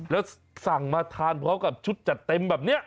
แล้วสั่งมาทานพร้อมกับชุดจัดเต็มแบบนี้